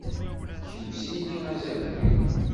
Kmez-iyi azagur-iw.